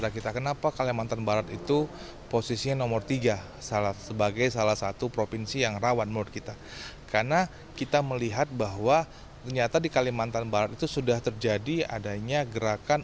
karena kita melihat bahwa ternyata di kalimantan barat itu sudah terjadi adanya gerakan